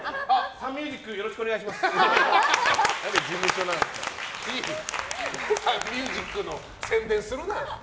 サンミュージックの宣伝するな！